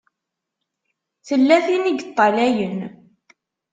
Tella tin i yeṭṭalayen.